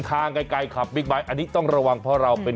แต่อย่างนี้รถใหญ่เบียดเข้ามาแบบนี้จะด้วยความตั้งใจหรือไม่ตั้งใจก็ไม่รู้แหละ